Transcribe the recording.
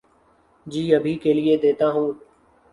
جی ابھی کیئے دیتا ہو